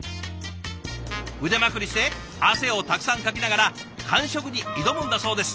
腕まくりして汗をたくさんかきながら完食に挑むんだそうです。